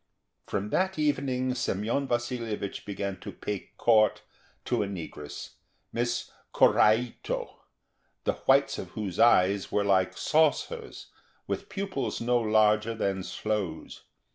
From that evening Semyon Vasilyevich began to pay court to a negress, Miss Korraito, the whites of whose eyes were like saucers, with pupils no larger than sloes.